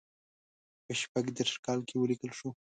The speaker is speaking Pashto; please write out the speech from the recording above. په شپږ دېرش کال کې ولیکل شو.